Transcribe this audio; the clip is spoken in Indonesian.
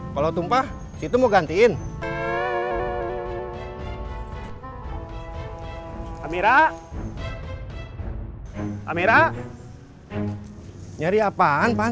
kalau tumpah situ mau gantiin kamera kamera nyari apaan